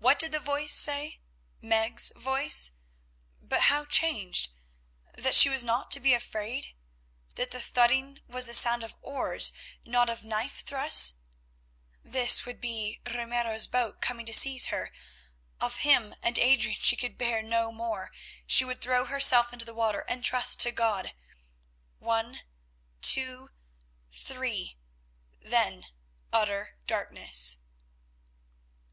What did the voice say, Meg's voice, but how changed? That she was not to be afraid? That the thudding was the sound of oars not of knife thrusts? This would be Ramiro's boat coming to seize her. Of him and Adrian she could bear no more; she would throw herself into the water and trust to God. One, two, three—then utter darkness.